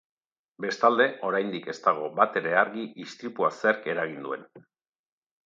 Bestalde, oraindik ez dago batere argi istripua zerk eragin duen.